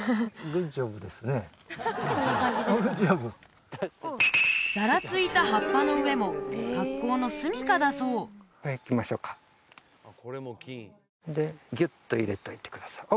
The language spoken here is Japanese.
グッジョブざらついた葉っぱの上も格好のすみかだそうこれいきましょうかでギュッと入れといてください